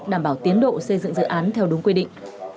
đảm bảo tiến độ xây dựng dự án theo đúng quy định